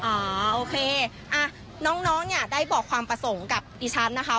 อ่าโอเคอ่าน้องน้องเนี้ยได้บอกความประสงค์กับดิฉันนะคะ